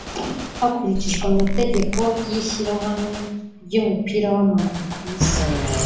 Hakurikijwe amategeko y’Ishyirahamwe ry’Umupira w’Amaguru ku Isi